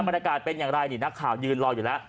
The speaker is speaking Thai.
บรรยากาศเป็นอย่างไรนี่นักข่าวยืนรออยู่แล้ว